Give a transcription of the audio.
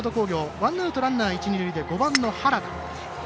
ワンアウト、ランナー一、二塁で５番の原田。